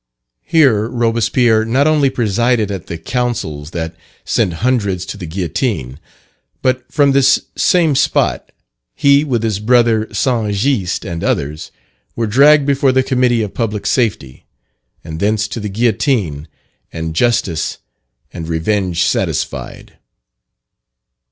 Here Robespierre not only presided at the counsels that sent hundreds to the guillotine; but from this same spot, he, with his brother St. Just and others, were dragged before the Committee of Public Safety, and thence to the guillotine, and justice and revenge satisfied.